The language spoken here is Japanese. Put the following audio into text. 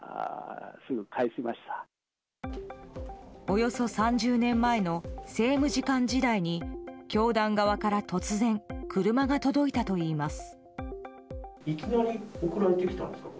およそ３０年前の政務次官時代に教団側から突然、車が届いたといいます。